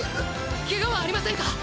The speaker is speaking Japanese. ケガはありませんか？